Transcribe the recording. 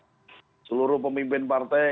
dan seluruh pemimpin partai